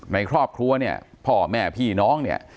ในครอบครัวเนี่ยพ่อแม่พี่น้องเนี่ย